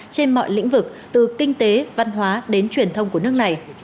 trên mọi lĩnh vực từ kinh tế văn hóa đến truyền thông của nước này